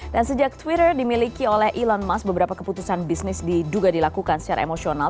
dan sejak twitter dimiliki oleh elon musk beberapa keputusan bisnis diduga dilakukan secara emosional